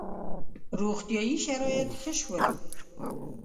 • روغتیايي شرایط ښه شول.